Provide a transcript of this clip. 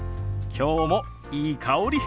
今日もいい香り！